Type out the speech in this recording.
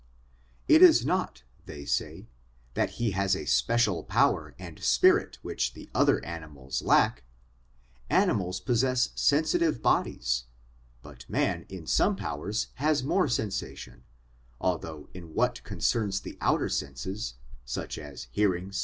' It is not/ they say, ' that he has a special power and spirit which the other animals lack: animals possess sensitive bodies, but man in some powers has more sensation 'although, in what concerns the outer senses, such as hearing, sight, 1 Man.